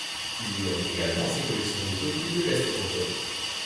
Il lui offre également ses collections de coquilles de gastéropodes.